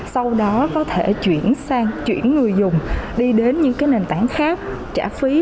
sau đó có thể chuyển sang chuyển người dùng đi đến những nền tảng khác trả phí